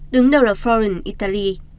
đứng đầu là florence italy